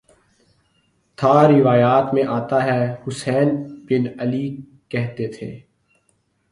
تھا روایات میں آتا ہے حسین بن علی کہتے تھے